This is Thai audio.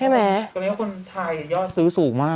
แล้วคนไทยยอดซื้อสูงมาก